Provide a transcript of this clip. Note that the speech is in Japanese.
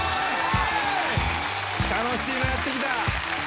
楽しいの、やって来た。